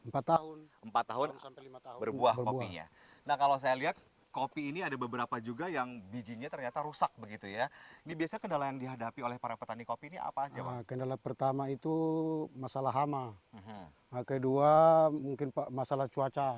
petani kopi ini apa jawab kendala pertama itu masalah hama kedua mungkin pak masalah cuaca